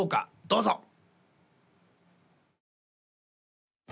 どうぞ！